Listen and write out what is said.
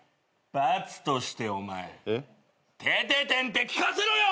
罰としてお前テテテンテ聞かせろよ！